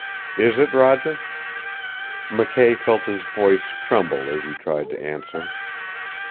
Is it, Roger?" McKay felt his voice tremble as he tried to answer.